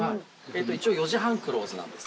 一応４時半クローズなんです。